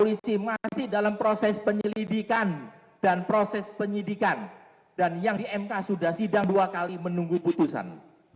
polisi masih dalam proses penyelidikan dan proses penyidikan dan yang di mk sudah sidang dua kali menunggu putusan